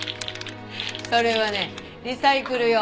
それはねリサイクル用。